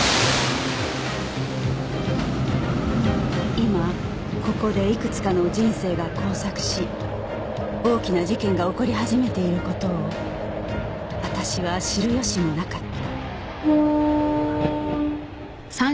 今ここでいくつかの人生が交錯し大きな事件が起こり始めている事を私は知る由もなかった